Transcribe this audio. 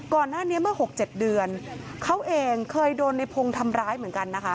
ก่อนหน้านี้เมื่อ๖๗เดือนเขาเองเคยโดนในพงศ์ทำร้ายเหมือนกันนะคะ